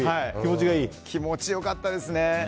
気持ち良かったですね。